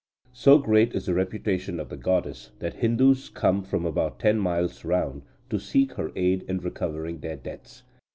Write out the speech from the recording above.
So great is the reputation of the goddess, that Hindus come from about ten miles round to seek her aid in recovering their debts.